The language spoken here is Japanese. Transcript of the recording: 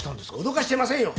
脅かしてませんよ！